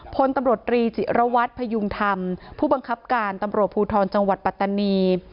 พลตำรวจรีจิระวัตรพยุงธรรมผู้บังคับการตำรวจภูทรจังหวัดปัตตานี